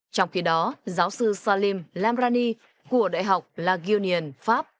trong khi đó giáo sư salim lamrani của đại học lagunian pháp